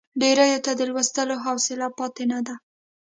ډېریو ته د لوستلو حوصله پاتې نه ده.